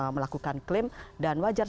melakukan klaim dan wajar